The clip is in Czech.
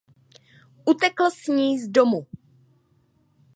Utekl s ní z domu.